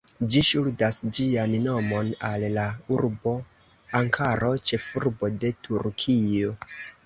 Ĝi ŝuldas ĝian nomon al la urbo Ankaro, ĉefurbo de Turkio.